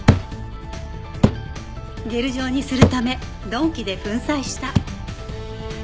ゲル状にするため鈍器で粉砕した。